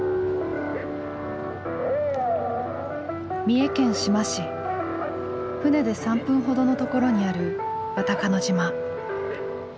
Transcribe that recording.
三重県志摩市船で３分ほどのところにある渡鹿野島。